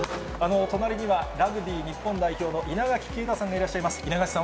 隣にはラグビー日本代表の稲垣啓太さんがいらっしゃいます。